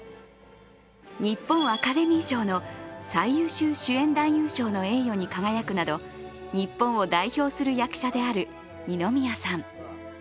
日本アカデミー賞の最優秀主演男優賞の栄誉に輝くなど日本を代表する役者である二宮さん。